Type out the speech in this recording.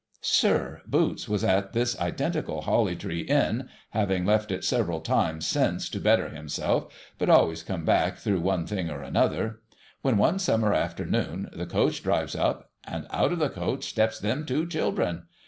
Sir, Boots was at this identical Holly Tree Inn (having left it several times since to better himself, but always come back through one thing or another), when, one summer afternoon, the coach drives up, and out of the coach gets them two children.